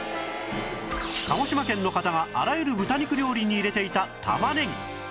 鹿児島県の方があらゆる豚肉料理に入れていた玉ねぎ